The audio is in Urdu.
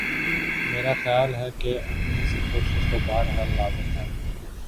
میرا خیال ہے کہ اپنی سی کوشش تو بہر حال لازم ہے۔